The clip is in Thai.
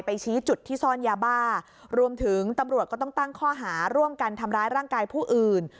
ชี้จุดที่ซ่อนยาบ้ารวมถึงตำรวจก็ต้องตั้งข้อหาร่วมกันทำร้ายร่างกายผู้อื่น